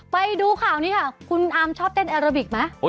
ไปดูข่าวนี้ค่ะคุณอาร์มชอบเต้นแอโรบิกไหม